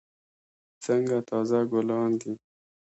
څنګه تازه ګلان دي.